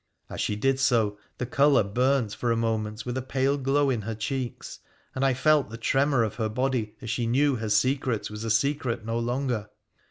As she did so the colour burnt for a moment with a pale glow in her cheeks, and I felt the tremor of her body as she knew her secret was a secret no longer.